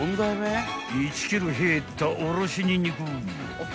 ［１ｋｇ入ったおろしにんにく］